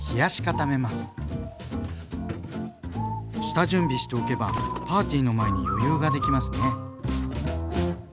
下準備しておけばパーティーの前に余裕ができますね。